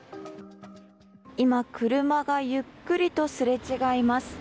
今、車がゆっくりとすれ違います。